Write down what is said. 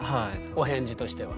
お返事としては。